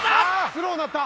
スローになった！